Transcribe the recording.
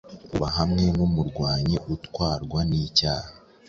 uba hamwe numurwanyi utwarwa nicyaha